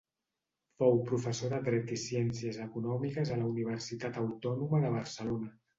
Fou professor de dret i ciències econòmiques a la Universitat Autònoma de Barcelona.